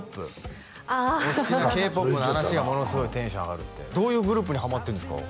ああお好きなＫ−ＰＯＰの話がものすごいテンション上がるってどういうグループにハマってるんですか？